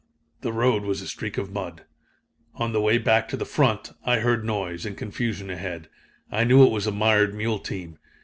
The road was a streak of mud. On the way back to the front, I heard noise and confusion ahead. I knew it was a mired mule team.